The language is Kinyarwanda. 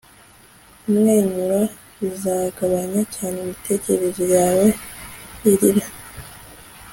kumwenyura bizagabanya cyane imitekerereze yawe irira. - sri chinmoy